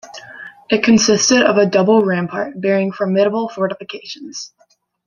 It consisted of a double rampart bearing formidable fortifications.